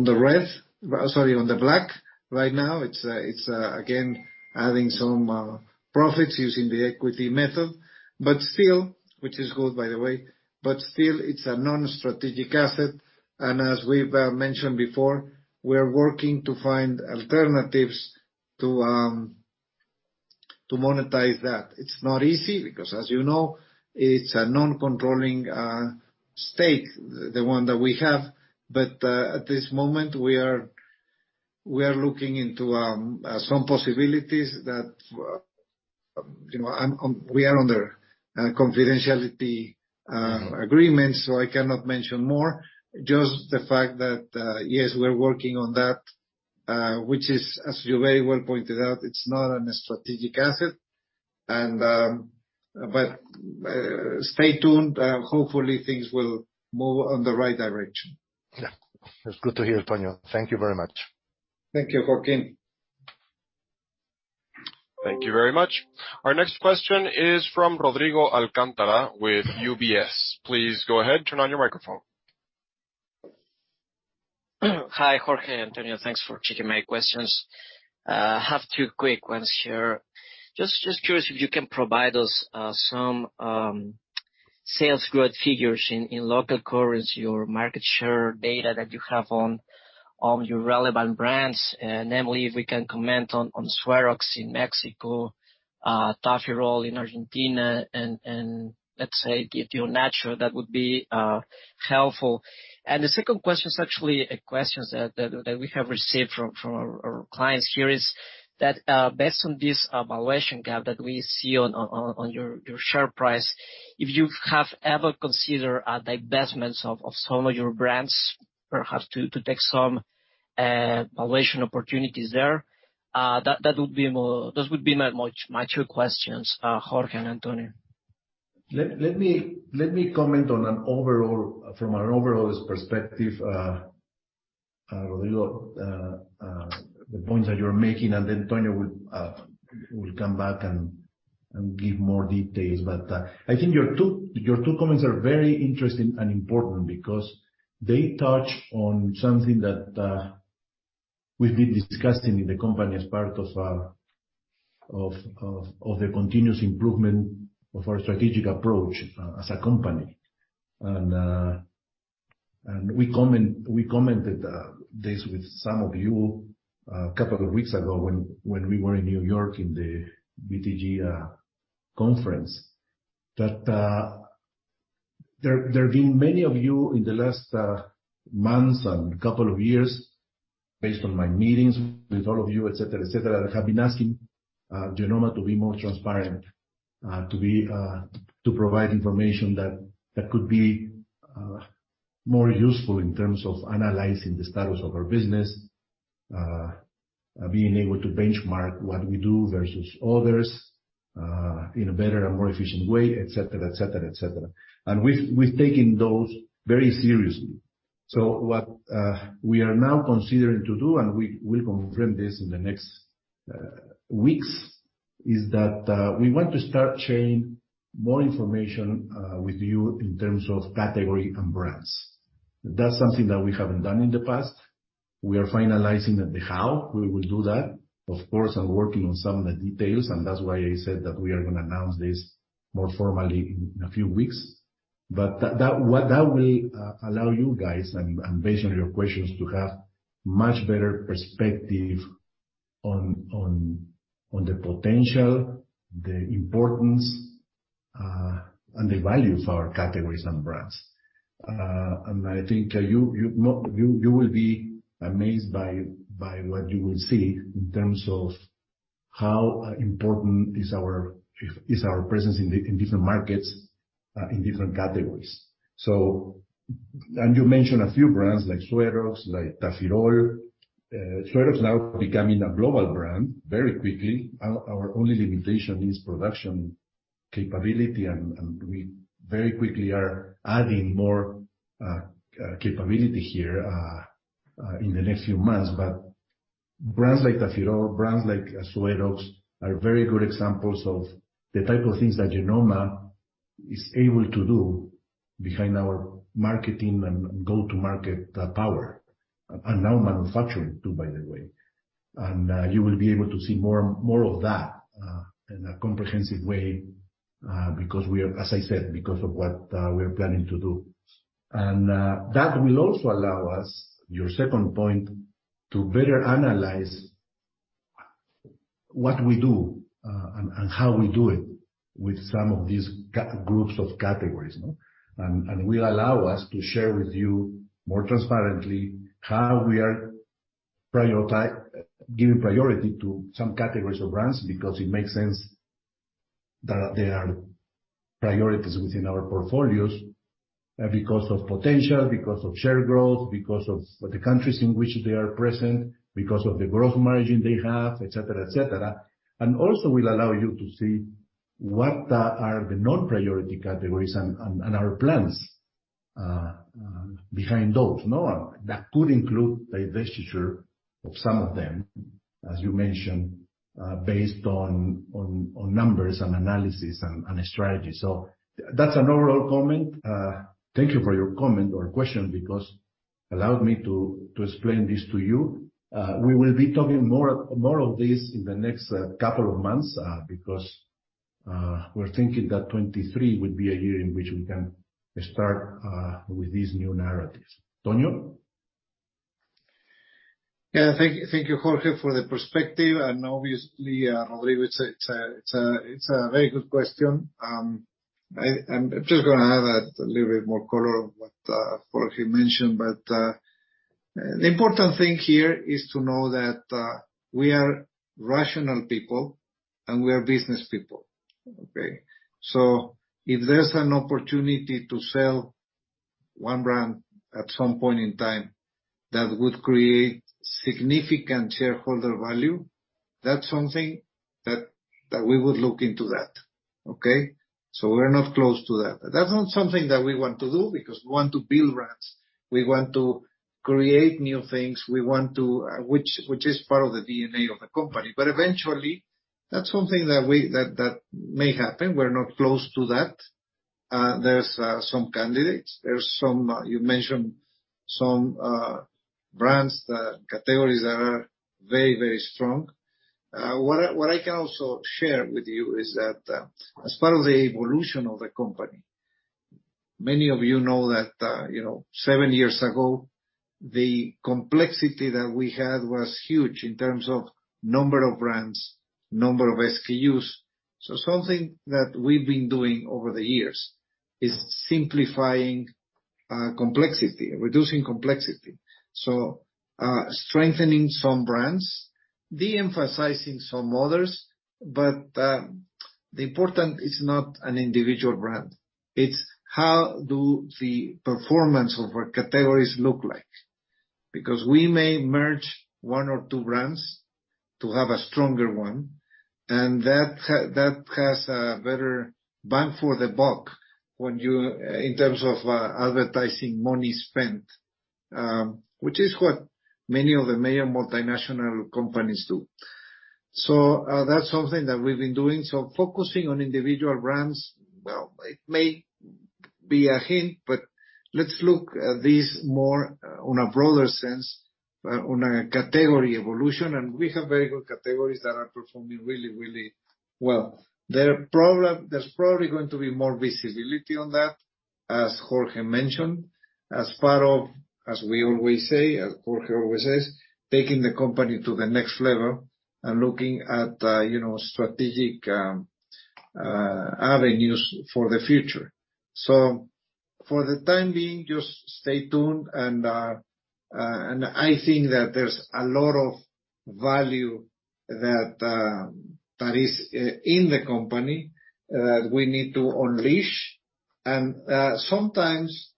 the red, sorry, in the black right now. It's again adding some profits using the equity method. Which is good, by the way, but still, it's a non-strategic asset. As we've mentioned before, we are working to find alternatives to monetize that. It's not easy because, as you know, it's a non-controlling stake, the one that we have. At this moment, we are looking into some possibilities that, you know, we are under confidentiality agreements, so I cannot mention more. Just the fact that yes, we're working on that, which is, as you very well pointed out, it's not a strategic asset. Stay tuned. Hopefully things will move in the right direction. Yeah. That's good to hear, Antonio. Thank you very much. Thank you, Joaquín. Thank you very much. Our next question is from Rodrigo Alcántara with UBS. Please go ahead, turn on your microphone. Hi, Jorge, Antonio. Thanks for taking my questions. Have two quick ones here. Just curious if you can provide us some sales growth figures in local currency or market share data that you have on your relevant brands. Namely, if we can comment on Suerox in Mexico, Tafirol in Argentina and let's say, Dietio Natural, that would be helpful. The second question is actually a question that we have received from our clients here is that, based on this valuation gap that we see on your share price, if you have ever considered divestments of some of your brands, perhaps to take some valuation opportunities there, that would be more. Those would be my two questions, Jorge and Antonio. Let me comment from an overall perspective, Rodrigo, the points that you're making, and then Antonio will come back and give more details. I think your two comments are very interesting and important because they touch on something that we've been discussing in the company as part of the continuous improvement of our strategic approach as a company. We commented this with some of you a couple of weeks ago when we were in New York in the BTG conference, that there have been many of you in the last months and couple of years, based on my meetings with all of you, et cetera, have been asking Genomma to be more transparent, to provide information that could be more useful in terms of analyzing the status of our business, being able to benchmark what we do versus others in a better and more efficient way, et cetera. We've taken those very seriously. What we are now considering to do, and we will confirm this in the next weeks, is that we want to start sharing more information with you in terms of category and brands. That's something that we haven't done in the past. We are finalizing the how we will do that, of course, and working on some of the details, and that's why I said that we are gonna announce this more formally in a few weeks. That what that will allow you guys, and based on your questions, to have much better perspective on the potential, the importance, and the value of our categories and brands. I think you know, you will be amazed by what you will see in terms of how important is our presence in different markets, in different categories. You mentioned a few brands like Suerox, like Tafirol. Suerox now becoming a global brand very quickly. Our only limitation is production capability, and we very quickly are adding more capability here in the next few months. Brands like Tafirol or brands like Suerox are very good examples of the type of things that Genomma is able to do behind our marketing and go-to-market power, and now manufacturing too, by the way. You will be able to see more of that in a comprehensive way, because, as I said, because of what we are planning to do. That will also allow us, your second point, to better analyze what we do and how we do it with some of these groups of categories, no? will allow us to share with you more transparently how we are prioritizing, giving priority to some categories or brands because it makes sense that there are priorities within our portfolios, because of potential, because of share growth, because of the countries in which they are present, because of the growth margin they have, et cetera, et cetera. also will allow you to see what are the non-priority categories and our plans behind those. No? That could include the divestiture of some of them, as you mentioned, based on numbers and analysis and strategy. that's an overall comment. thank you for your comment or question because it allowed me to explain this to you. We will be talking more of this in the next couple of months, because we're thinking that 2023 would be a year in which we can start with these new narratives. Tonyo. Yeah. Thank you, Jorge, for the perspective. Obviously, Rodrigo, it's a very good question. I'm just gonna add a little bit more color on what Jorge mentioned. The important thing here is to know that we are rational people and we are business people. Okay? If there's an opportunity to sell one brand at some point in time that would create significant shareholder value, that's something that we would look into that. Okay? We're not close to that. That's not something that we want to do because we want to build brands, we want to create new things. We want to, which is part of the DNA of the company. Eventually, that's something that may happen. We're not close to that. There are some candidates you mentioned, some brands, categories that are very, very strong. What I can also share with you is that, as part of the evolution of the company, many of you know that, you know, seven years ago, the complexity that we had was huge in terms of number of brands, number of SKUs. Something that we've been doing over the years is simplifying complexity, reducing complexity. Strengthening some brands, de-emphasizing some others. The important is not an individual brand. It's how do the performance of our categories look like. Because we may merge one or two brands to have a stronger one, and that has a better bang for the buck when in terms of advertising money spent, which is what many of the major multinational companies do. That's something that we've been doing. Focusing on individual brands, well, it may be a hint, but let's look at this more on a broader sense, on a category evolution, and we have very good categories that are performing really, really well. There's probably going to be more visibility on that, as Jorge mentioned, as part of, as we always say, as Jorge always says, taking the company to the next level and looking at you know, strategic avenues for the future. For the time being, just stay tuned. I think that there's a lot of value that is in the company we need to unleash. Sometimes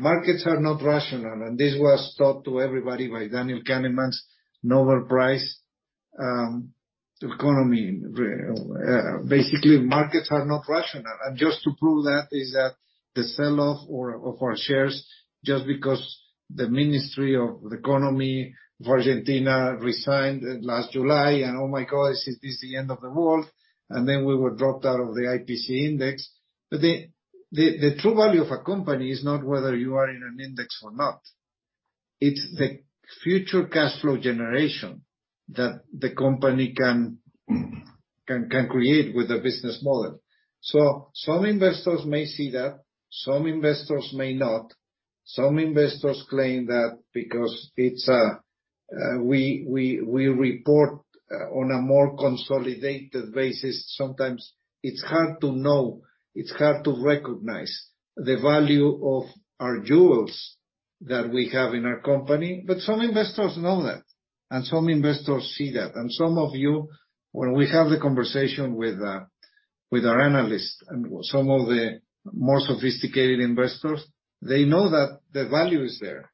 markets are not rational. This was taught to everybody by Daniel Kahneman's Nobel Prize in Economics. Basically, markets are not rational. Just to prove that is that the sell-off of our shares just because the Ministry of Economy of Argentina resigned last July, and oh my God, is this the end of the world? We were dropped out of the IPC Index. The true value of a company is not whether you are in an index or not. It's the future cash flow generation that the company can create with the business model. Some investors may see that, some investors may not. Some investors claim that because it's we report on a more consolidated basis, sometimes it's hard to know, it's hard to recognize the value of our jewels that we have in our company. Some investors know that, and some investors see that. Some of you, when we have the conversation with our analysts and some of the more sophisticated investors, they know that the value is there.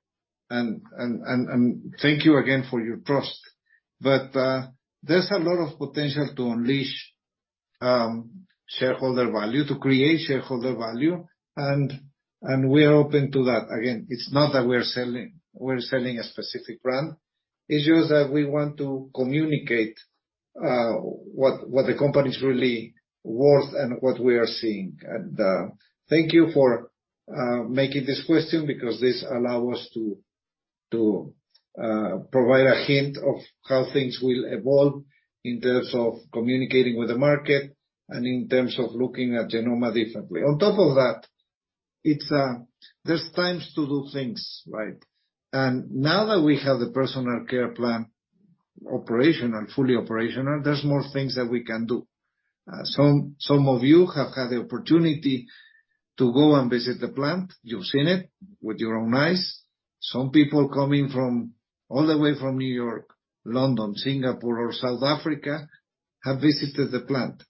Thank you again for your trust. There's a lot of potential to unleash shareholder value, to create shareholder value. We are open to that. Again, it's not that we're selling a specific brand. It's just that we want to communicate what the company is really worth and what we are seeing. Thank you for making this question because this allow us to provide a hint of how things will evolve in terms of communicating with the market and in terms of looking at Genomma differently. On top of that, it's there are times to do things, right? Now that we have the personal care plant operational, fully operational, there are more things that we can do. Some of you have had the opportunity to go and visit the plant. You've seen it with your own eyes. Some people coming from all the way from New York, London, Singapore or South Africa have visited the plant.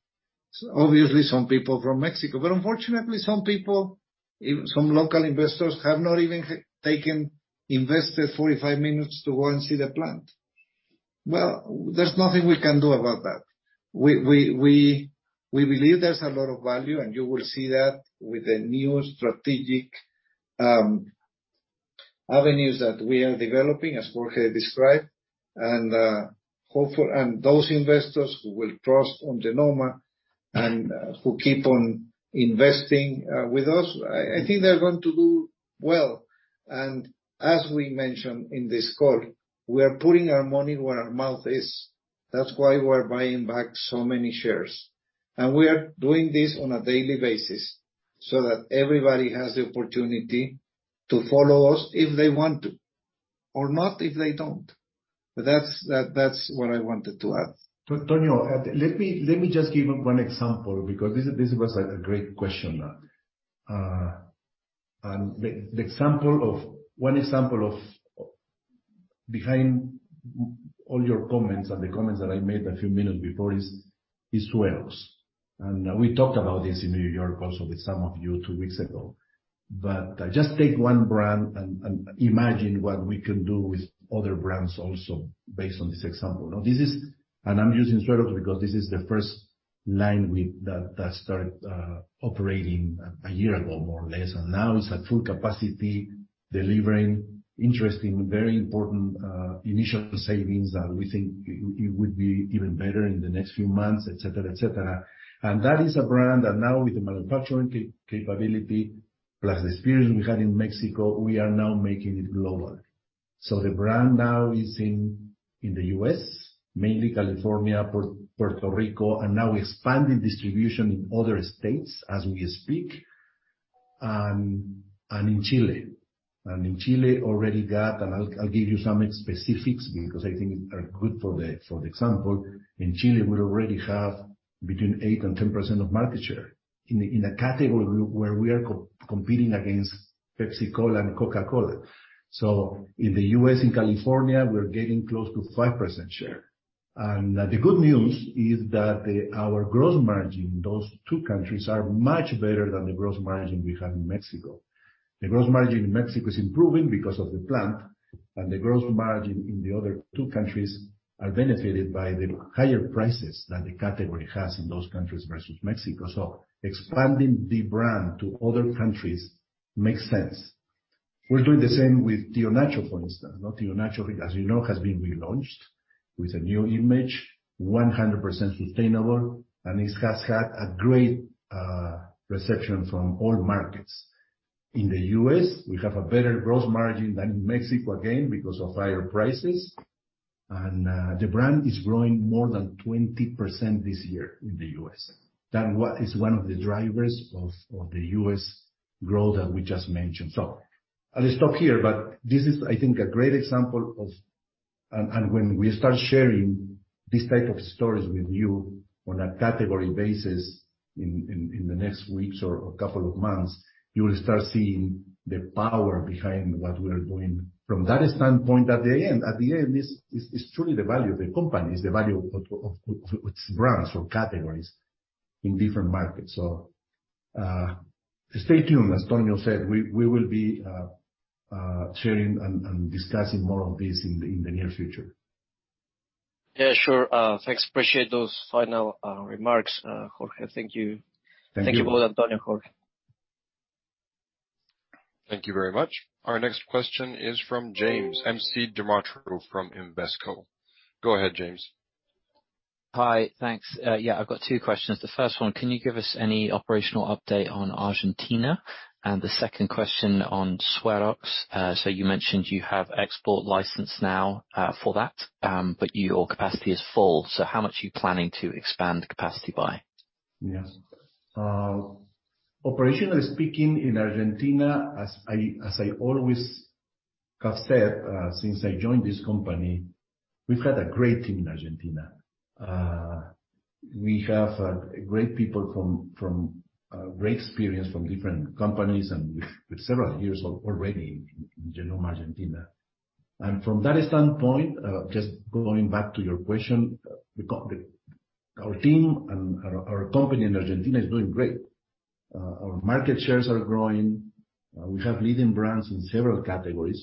Obviously, some people from Mexico. But unfortunately, some people, even some local investors have not even taken 45 minutes to go and see the plant. Well, there is nothing we can do about that. We believe there's a lot of value, and you will see that with the new strategic avenues that we are developing, as Jorge described. Those investors who will trust on Genomma and who keep on investing with us, I think they're going to do well. As we mentioned in this call, we are putting our money where our mouth is. That's why we're buying back so many shares. We are doing this on a daily basis so that everybody has the opportunity to follow us if they want to or not if they don't. That's what I wanted to add. Tonyo, let me just give one example because this was a great question. One example behind all your comments and the comments that I made a few minutes before is Suerox. We talked about this in New York also with some of you two weeks ago. Just take one brand and imagine what we can do with other brands also based on this example. Now, this is. I'm using Suerox because this is the first line that started operating a year ago, more or less. Now it's at full capacity, delivering interesting, very important initial savings that we think it would be even better in the next few months, et cetera. That is a brand that now with the manufacturing capability, plus the experience we had in Mexico, we are now making it global. The brand now is in the U.S., mainly California, Puerto Rico, and now expanding distribution in other states as we speak, and in Chile. I'll give you some specifics because I think are good for the example. In Chile, we already have between 8%-10% of market share in a category where we are competing against PepsiCo and Coca-Cola. In the U.S. and California, we're getting close to 5% share. The good news is that our gross margin in those two countries are much better than the gross margin we have in Mexico. The gross margin in Mexico is improving because of the plant, and the gross margin in the other two countries are benefited by the higher prices that the category has in those countries versus Mexico. Expanding the brand to other countries makes sense. We're doing the same with Tío Nacho, for instance. Now, Tío Nacho, as you know, has been relaunched with a new image, 100% sustainable, and it has had a great reception from all markets. In the US, we have a better gross margin than in Mexico, again, because of higher prices. The brand is growing more than 20% this year in the U.S. That is one of the drivers of the U.S. growth that we just mentioned. I'll stop here, but this is, I think, a great example of. When we start sharing these type of stories with you on a category basis in the next weeks or a couple of months, you will start seeing the power behind what we are doing from that standpoint at the end. At the end, this is truly the value of the company. It's the value of its brands or categories in different markets. Stay tuned, as Tonyo said, we will be sharing and discussing more of this in the near future. Yeah, sure. Thanks. Appreciate those final remarks, Jorge. Thank you. Thank you. Thank you both, Tonyo, Jorge. Thank you very much. Our next question is from James McDermottroe from Invesco. Go ahead, James. Hi. Thanks. Yeah, I've got two questions. The first one, can you give us any operational update on Argentina? The second question on Suerox. You mentioned you have export license now for that, but your capacity is full. How much are you planning to expand capacity by? Yes. Operationally speaking, in Argentina, as I always have said, since I joined this company, we've had a great team in Argentina. We have great people from great experience from different companies and with several years already in Genomma Lab Argentina. From that standpoint, just going back to your question, our team and our company in Argentina is doing great. Our market shares are growing. We have leading brands in several categories.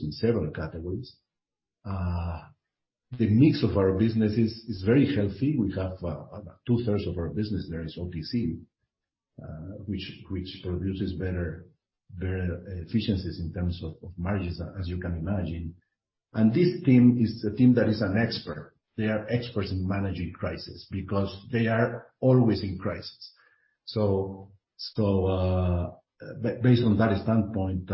The mix of our business is very healthy. We have two-thirds of our business there is OTC, which produces better efficiencies in terms of margins, as you can imagine. This team is a team that is an expert. They are experts in managing crisis because they are always in crisis. Based on that standpoint,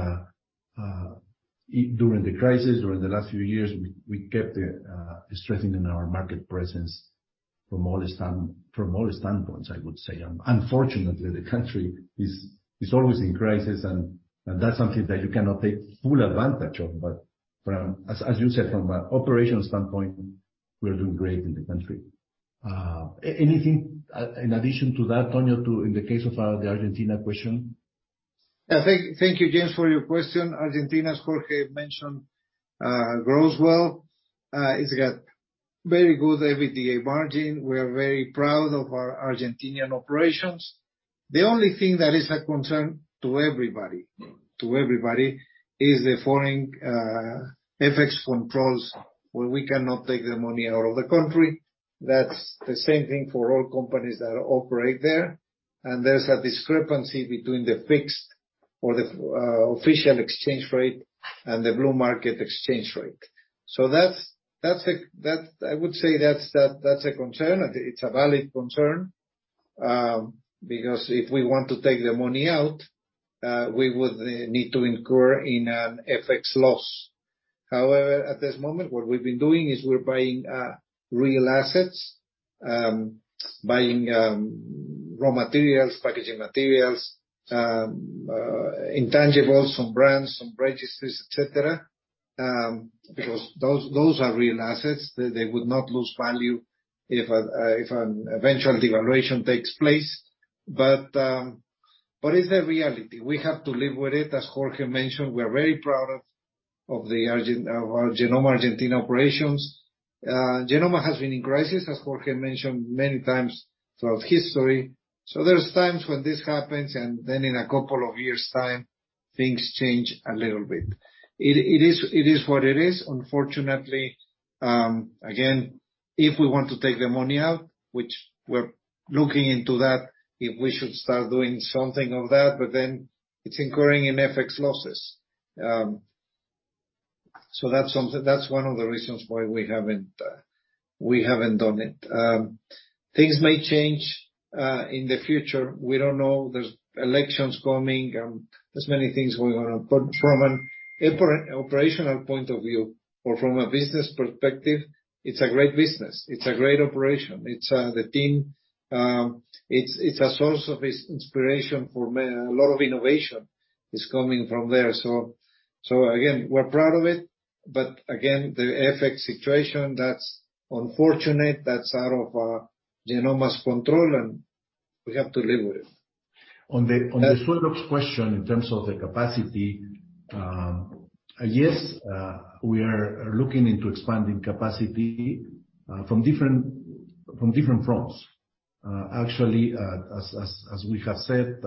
during the crisis or in the last few years, we kept strengthening our market presence from all standpoints, I would say. Unfortunately, the country is always in crisis and that's something that you cannot take full advantage of. From, as you said, from an operational standpoint, we are doing great in the country. Anything in addition to that, Tonio, in the case of the Argentina question? Yeah. Thank you, James, for your question. Argentina, as Jorge mentioned, grows well. It's got very good EBITDA margin. We are very proud of our Argentine operations. The only thing that is a concern to everybody. Mm. It's the foreign FX controls, where we cannot take the money out of the country. That's the same thing for all companies that operate there. There's a discrepancy between the fixed or official exchange rate and the blue market exchange rate. That's a concern. I would say that's a concern. It's a valid concern, because if we want to take the money out, we would need to incur an FX loss. However, at this moment, what we've been doing is we're buying real assets, buying raw materials, packaging materials, intangibles, some brands, some registers, et cetera, because those are real assets. They would not lose value if an eventual devaluation takes place. It's the reality. We have to live with it. As Jorge mentioned, we are very proud of the Genomma Lab Argentina operations. Genomma has been in crisis, as Jorge mentioned many times throughout history. There's times when this happens, and then in a couple of years' time, things change a little bit. It is what it is, unfortunately. Again, if we want to take the money out, which we're looking into that if we should start doing something of that, but then it's incurring FX losses. That's something that's one of the reasons why we haven't done it. Things may change in the future. We don't know. There's elections coming. There's many things going on. From an operational point of view or from a business perspective, it's a great business. It's a great operation. It's the team. It's a source of inspiration. A lot of innovation is coming from there. Again, we're proud of it. Again, the FX situation, that's unfortunate. That's out of Genomma's control, and we have to live with it. On the Suerox question, in terms of the capacity, yes, we are looking into expanding capacity from different fronts. Actually, as we have said,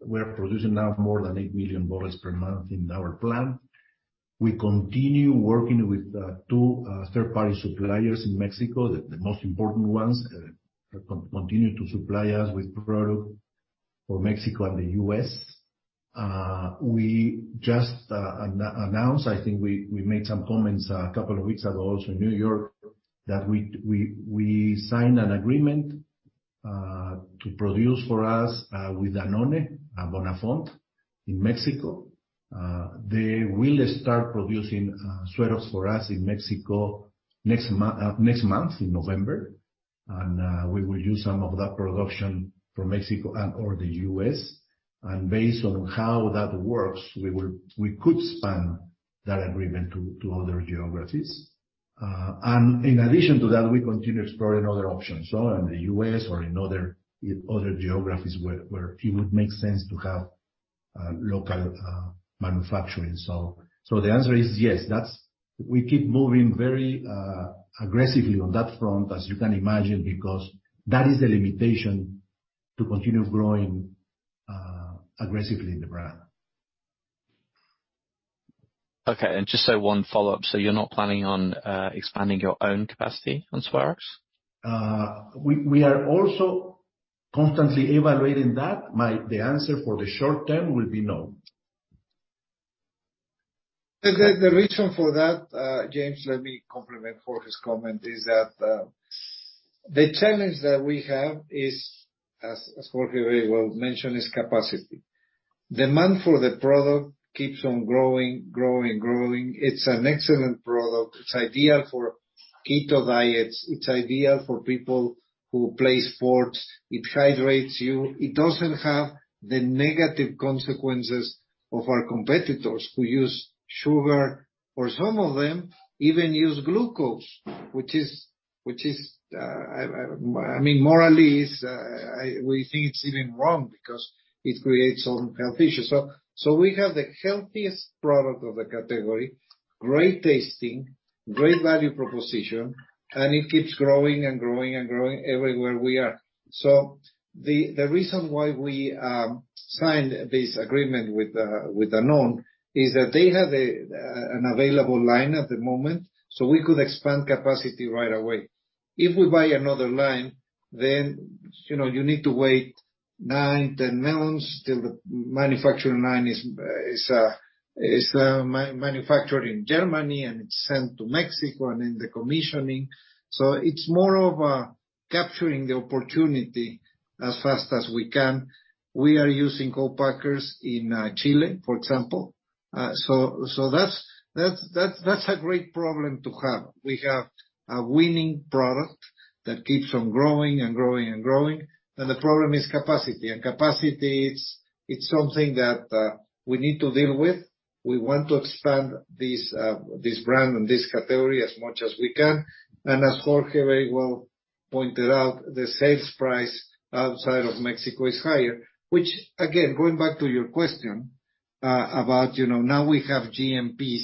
we're producing now more than 8 million bottles per month in our plant. We continue working with two third-party suppliers in Mexico. The most important ones continue to supply us with product for Mexico and the U.S. We just announced, I think we made some comments a couple of weeks ago, also in New York, that we signed an agreement to produce for us with Danone Bonafont in Mexico. They will start producing Suerox for us in Mexico next month, in November. We will use some of that production for Mexico and/or the U.S. Based on how that works, we could expand that agreement to other geographies. In addition to that, we continue exploring other options, so in the U.S. or in other geographies where it would make sense to have local manufacturing. The answer is yes. We keep moving very aggressively on that front, as you can imagine, because that is the limitation to continue growing aggressively in the brand. Okay. Just one follow-up. You're not planning on expanding your own capacity on Suerox? We are also constantly evaluating that. The answer for the short term will be no. The reason for that, James, let me compliment Jorge's comment, is that the challenge that we have is, as Jorge very well mentioned, is capacity. Demand for the product keeps on growing. It's an excellent product. It's ideal for keto diets. It's ideal for people who play sports. It hydrates you. It doesn't have the negative consequences of our competitors who use sugar, or some of them even use glucose, which is, I mean morally we think it's even wrong because it creates own health issues. We have the healthiest product of the category, great tasting, great value proposition, and it keeps growing everywhere we are. The reason why we signed this agreement with Danone is that they have an available line at the moment, so we could expand capacity right away. If we buy another line, then, you know, you need to wait nine to till the manufacturing line is manufactured in Germany, and it's sent to Mexico, and then the commissioning. It's more of a capturing the opportunity as fast as we can. We are using co-packers in Chile, for example. That's a great problem to have. We have a winning product that keeps on growing and growing and growing, and the problem is capacity. Capacity, it's something that we need to deal with. We want to expand this brand and this category as much as we can. As Jorge very well pointed out, the sales price outside of Mexico is higher. Which again, going back to your question about, you know, now we have GMPs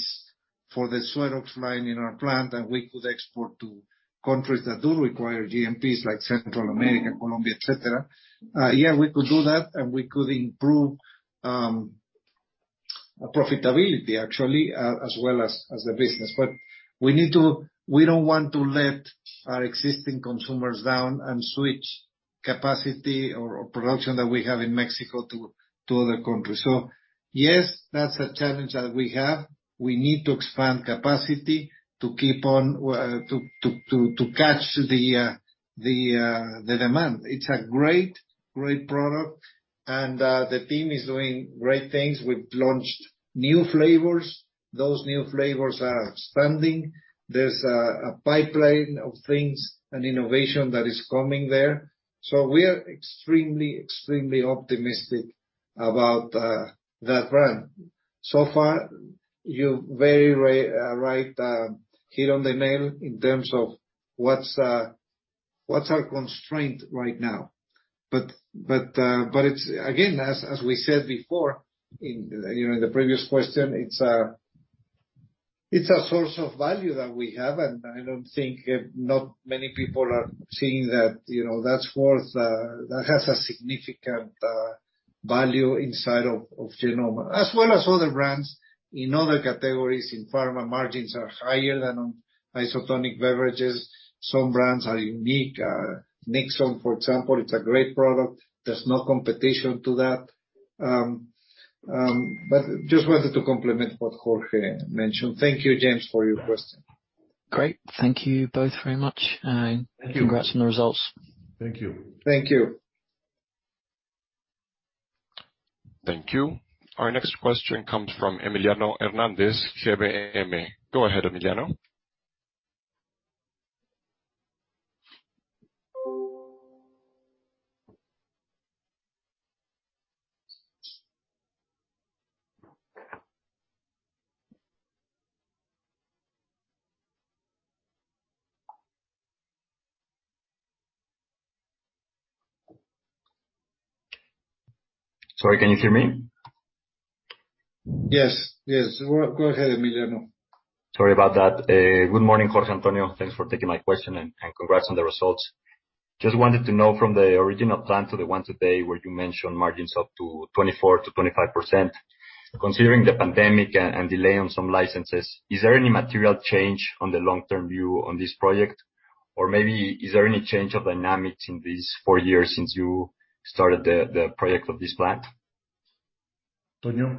for the Suerox line in our plant that we could export to countries that do require GMPs like Central America, Colombia, et cetera. Yeah, we could do that, and we could improve our profitability actually as well as the business. We need to. We don't want to let our existing consumers down and switch capacity or production that we have in Mexico to other countries. Yes, that's a challenge that we have. We need to expand capacity to keep on to catch the demand. It's a great product, and the team is doing great things. We've launched new flavors. Those new flavors are expanding. There's a pipeline of things and innovation that is coming there. We are extremely optimistic about that brand. So far, you're very right, hit the nail on the head in terms of what's our constraint right now. It's again, as we said before in you know in the previous question, it's a source of value that we have. I don't think not many people are seeing that, you know, that has a significant value inside of Genomma, as well as other brands in other categories. In pharma, margins are higher than on isotonic beverages. Some brands are unique. Next, for example, it's a great product. There's no competition to that. Just wanted to complement what Jorge mentioned. Thank you, James, for your question. Great. Thank you both very much. Thank you. Congrats on the results. Thank you. Thank you. Thank you. Our next question comes from Emiliano Hernández, GBM. Go ahead, Emiliano Hernández. Sorry, can you hear me? Yes. Go ahead, Emiliano. Sorry about that. Good morning, Jorge, Antonio. Thanks for taking my question and congrats on the results. Just wanted to know from the original plan to the one today where you mentioned margins up to 24%-25%. Considering the pandemic and delay on some licenses, is there any material change on the long-term view on this project? Or maybe is there any change of dynamics in these four years since you started the project of this plan? Antonio?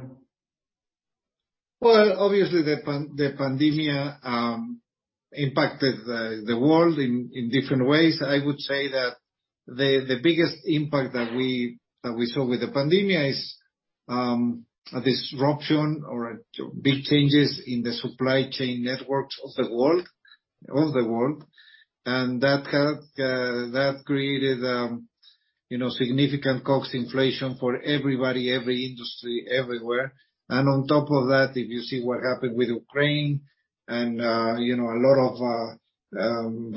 Well, obviously the pandemic impacted the world in different ways. I would say that the biggest impact that we saw with the pandemic is a disruption or big changes in the supply chain networks of the world. That created you know significant COGS inflation for everybody, every industry, everywhere. On top of that, if you see what happened with Ukraine and you know a lot of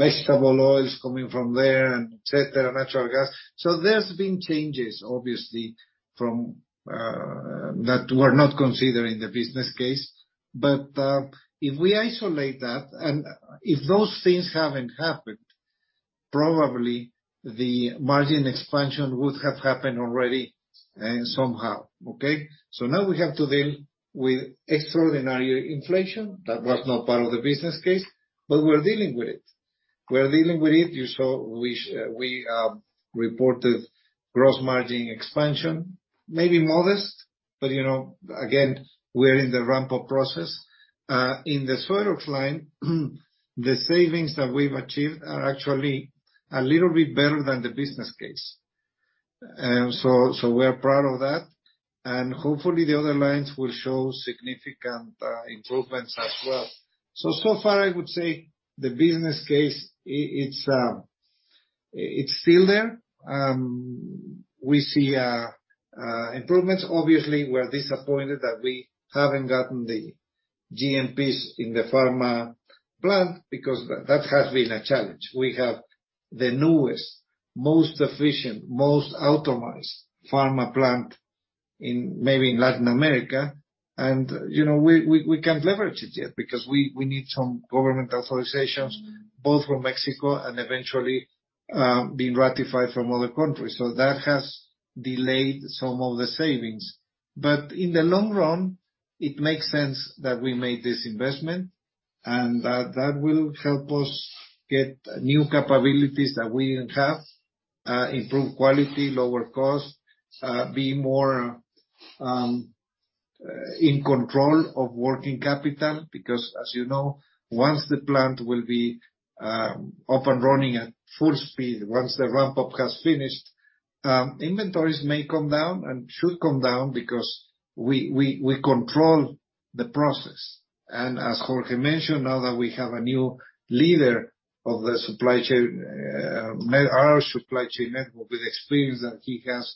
vegetable oils coming from there and et cetera, natural gas. There's been changes obviously from that were not considered in the business case. If we isolate that and if those things haven't happened, probably the margin expansion would have happened already and somehow. Okay? Now we have to deal with extraordinary inflation that was not part of the business case, but we're dealing with it. You saw we reported gross margin expansion, maybe modest, but you know, again, we're in the ramp-up process. In the Suerox line, the savings that we've achieved are actually a little bit better than the business case. We are proud of that. Hopefully the other lines will show significant improvements as well. So far I would say the business case it's still there. We see improvements. Obviously, we're disappointed that we haven't gotten the GMPs in the pharma plant because that has been a challenge. We have the newest, most efficient, most optimized pharma plant in maybe in Latin America. You know we can't leverage it yet because we need some government authorizations both from Mexico and eventually being ratified from other countries. That has delayed some of the savings. In the long run, it makes sense that we made this investment, and that will help us get new capabilities that we don't have, improve quality, lower cost, be more in control of working capital, because as you know, once the plant will be up and running at full speed, once the ramp-up has finished, inventories may come down and should come down because we control the process. As Jorge mentioned, now that we have a new leader of the supply chain, our supply chain network with experience that he has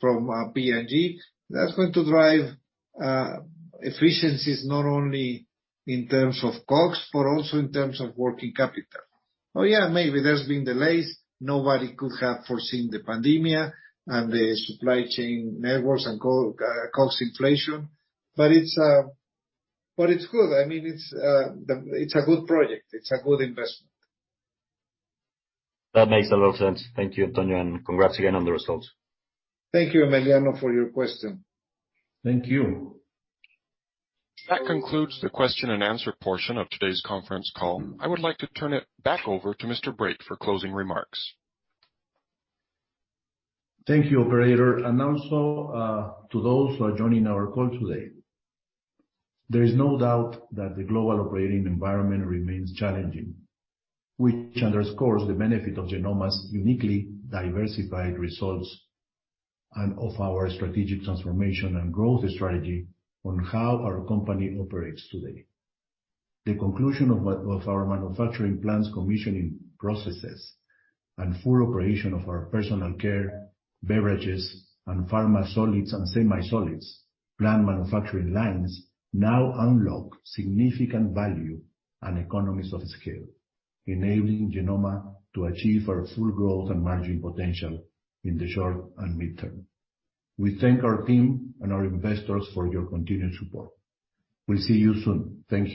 from P&G, that's going to drive efficiencies not only in terms of costs, but also in terms of working capital. Oh, yeah, maybe there's been delays. Nobody could have foreseen the pandemic and the supply chain networks and cost inflation. It's good. I mean, it's a good project. It's a good investment. That makes a lot of sense. Thank you, Antonio, and congrats again on the results. Thank you, Emiliano, for your question. Thank you. That concludes the question and answer portion of today's conference call. I would like to turn it back over to Mr. Brake for closing remarks. Thank you, operator, and also to those who are joining our call today. There is no doubt that the global operating environment remains challenging, which underscores the benefit of Genomma's uniquely diversified results and of our strategic transformation and growth strategy on how our company operates today. The conclusion of our manufacturing plans commissioning processes and full operation of our personal care, beverages, and pharma solids and semi-solids plant manufacturing lines now unlock significant value and economies of scale, enabling Genomma to achieve our full growth and margin potential in the short and mid-term. We thank our team and our investors for your continued support. We'll see you soon. Thank you.